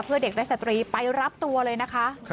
เพื่อเด็กและสตรีไปรับตัวเลยนะคะ